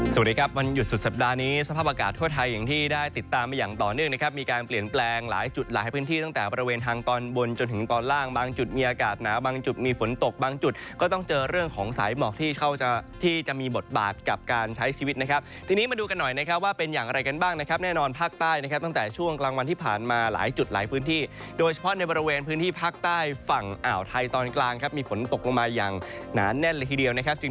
สวัสดีครับวันหยุดสุดสัปดาห์นี้สภาพอากาศทั่วไทยอย่างที่ได้ติดตามมาอย่างต่อเนื่องนะครับมีการเปลี่ยนแปลงหลายจุดหลายพื้นที่ตั้งแต่ประเวณทางตอนบนจนถึงตอนล่างบางจุดมีอากาศหนาบางจุดมีฝนตกบางจุดก็ต้องเจอเรื่องของสายหมอกที่เขาจะที่จะมีบทบาทกับการใช้ชีวิตนะครับทีนี้มาดูกันหน่อยนะครับว่